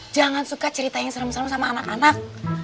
jangan suka cerita yang serem serem sama anak anak